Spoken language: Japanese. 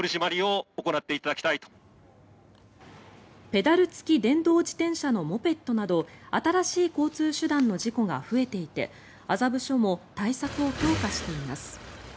ペダル付き電動自転車のモペットなど新しい交通手段の事故が増えていて麻布署も対策を強化しています。